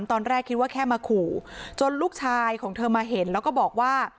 ตอนแรกคิดว่าแค่มาขู่จนลูกชายของเธอมาเห็นแล้วก็บอกว่า